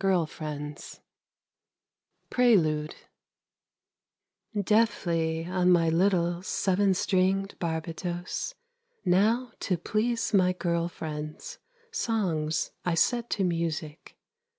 GIRL FRIENDS PRELUDE Deftly on my little Seven stringed barbitos, Now to please my girl friends Songs I set to music.